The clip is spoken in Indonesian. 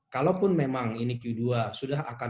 kalaupun memang ini q dua sudah akan